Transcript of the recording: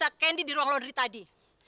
saya tidak bisa candy di ruang laundry tadi